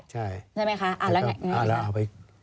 ใช่ไหมคะแล้วไง